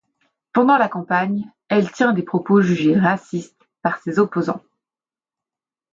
Pendant la campagne, elle tient des propos jugés racistes par ses opposants.